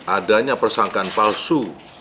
adanya persangkaan palsu